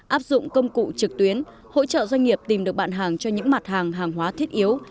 áp dụng công cụ trực tuyến hỗ trợ doanh nghiệp tìm được bạn hàng cho những mặt hàng hàng hóa thiết yếu